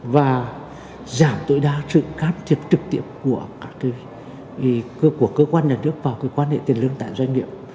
và giảm tối đa sự cáp thiệp trực tiếp của cơ quan nhà nước vào cái quan hệ tiền lương tại doanh nghiệp